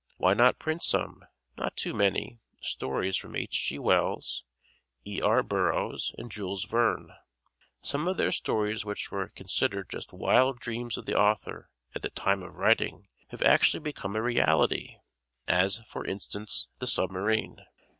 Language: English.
Why not print some (not too many) stories from H. G. Wells, E. R. Burroughs and Jules Verne? Some of their stories which were considered just wild dreams of the author at the time of writing have actually become a reality, as, for instance, the submarine.